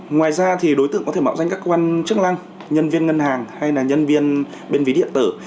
ngoài ra thì đối tượng có thể mạo danh các quan chức năng nhân viên ngân hàng hay là nhân viên bên ví điện tử